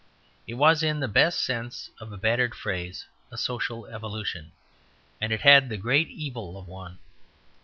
It was, in the best sense of a battered phrase, a social evolution, and it had the great evil of one.